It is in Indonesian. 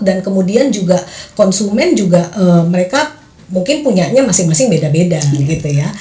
dan kemudian juga konsumen juga mereka mungkin punya masing masing beda beda gitu ya